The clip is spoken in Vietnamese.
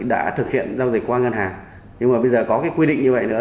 đã thực hiện giao dịch qua ngân hàng nhưng mà bây giờ có cái quy định như vậy nữa